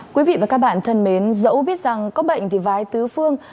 quý vị và các bạn thân mến dẫu biết rằng có bệnh thì vái tứ phương